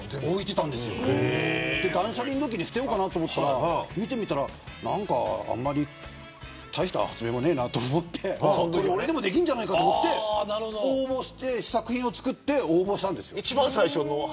断捨離のときに資料を捨てようかと思って見てみたら何かあんまり大した発明がねえなと思って俺でもできるんじゃないかと思って試作品を作って応募したんです。